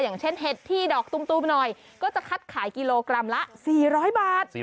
อย่างเช่นเห็ดที่ดอกตุ้มหน่อยก็จะคัดขายกิโลกรัมละ๔๐๐บาท